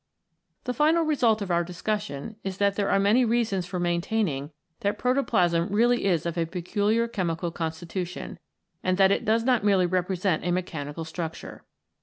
The final result of our discussion is that there are many reasons for maintaining that protoplasm really is of a peculiar chemical constitution, and that it does not merely represent a mechanical structure.